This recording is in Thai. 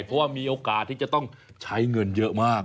เพราะว่ามีโอกาสที่จะต้องใช้เงินเยอะมาก